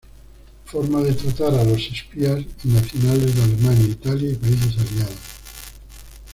Forma de tratar a los espías y nacionales de Alemania, Italia y países aliados.